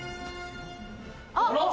あっ！